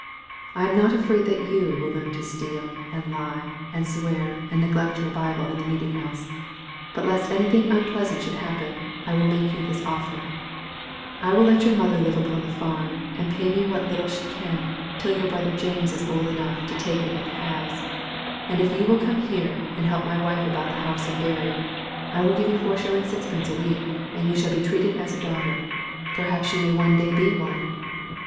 I am not afraid that you will learn to steal, and lie, and swear, and neglect your Bible and the meeting house; but lest anything unpleasant should happen, I will make you this offer: I will let your mother live upon the farm, and pay me what little she can, till your brother James is old enough to take it at the halves; and if you will come here, and help my wife about the house and dairy, I will give you 4_s._ 6_d._ a week, and you shall be treated as a daughter perhaps you may one day be one."